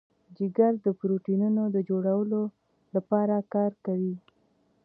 جگر د پروټینونو د جوړولو لپاره کار کوي.